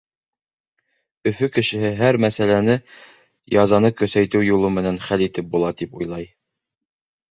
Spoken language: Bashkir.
Өфө кешеһе һәр мәсьәләне язаны көсәйтеү юлы менән хәл итеп була тип уйлай.